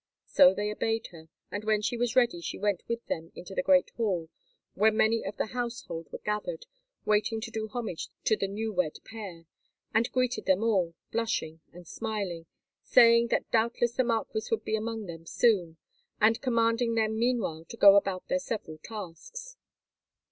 So they obeyed her, and when she was ready she went with them into the great hall where many of the household were gathered, waiting to do homage to the new wed pair, and greeted them all, blushing and smiling, saying that doubtless the marquis would be among them soon, and commanding them meanwhile to go about their several tasks.